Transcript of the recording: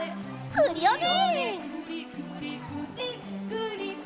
クリオネ！